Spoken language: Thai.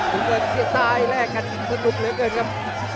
น้ำเงินเสียบซ้ายแลกกันสนุกเหลือเกินครับ